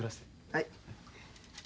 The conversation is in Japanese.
はい。